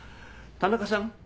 田中さん